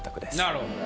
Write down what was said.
なるほど。